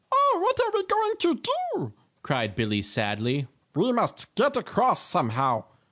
"Oh, what are we going to do?" cried Billie, sadly. "We must get across somehow!"